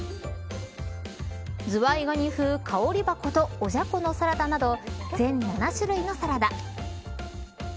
ズワイガニ風香り箱とおじゃこのサラダなど全７種類のサラダ。